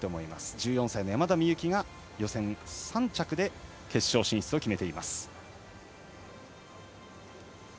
１４歳の山田美幸が予選３着で決勝進出を決めています。